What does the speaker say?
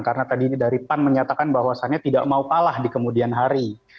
karena tadi daripan menyatakan bahwasannya tidak mau kalah di kemudian hari